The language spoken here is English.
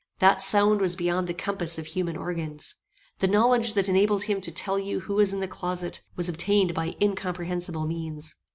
That sound was beyond the compass of human organs. The knowledge that enabled him to tell you who was in the closet, was obtained by incomprehensible means.